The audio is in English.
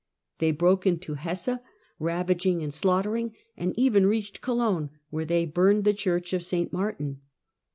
They broke into Hesse, ravaging and slaughtering, and even reached Cologne, where they burned the Church of St. Martin.